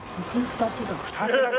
２つだけ。